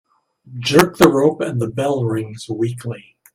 Jerk the rope and the bell rings weakly.